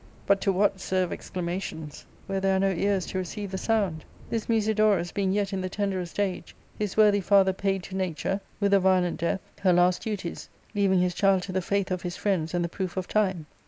But to what serve exclamations, where there are no ears to receive the sound ? This Musidorus being yet in the tenderest age, his worthy father paid to Nature, with a violent death, her last duties, leaving his child to the faith of his friends and the proof of time.